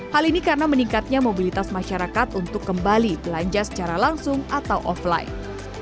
hal ini karena meningkatnya mobilitas masyarakat untuk kembali belanja secara langsung atau offline